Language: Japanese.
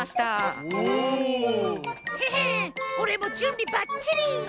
おおっ！へへおれもじゅんびばっちり！